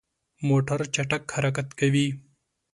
موټر چټک حرکت کوي.